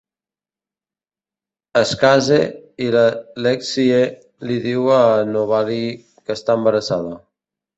Es case, i la Lexie li diu a la Novalee que està embarassada.